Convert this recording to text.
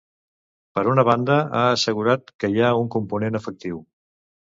Per una banda, ha assegurat que hi ha un component afectiu.